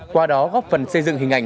qua đó góp phần xây dựng hình ảnh